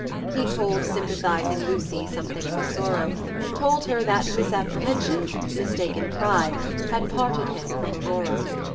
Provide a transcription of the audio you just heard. He told sympathizing Lucy something of his sorrow; told her that misapprehension mistaken pride had parted him from Aurora.